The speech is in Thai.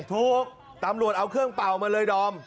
ถูกตำรวจเอาเครื่องเป่ามาเลยดอม